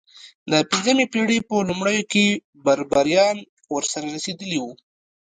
د پنځمې پېړۍ په لومړیو کې بربریان ور رسېدلي وو.